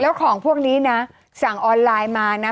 แล้วของพวกนี้นะสั่งออนไลน์มานะ